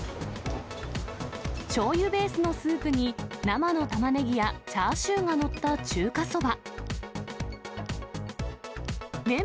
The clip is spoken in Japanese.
しょうゆベースのスープに、生のタマネギやチューシューが載った中華そば。